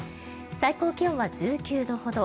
最高気温は１９度ほど。